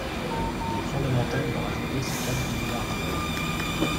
Il est fondamental de rajouter ces quatre milliards d’euros.